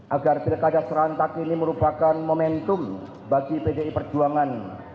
agar pilkada serantak ini merupakan momentum bagi bdi perjuangan